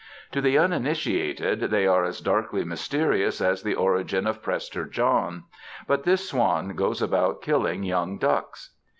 To the uninitiated they are as darkly mysterious as the origin of Prester John; but this swan goes about killing young ducks.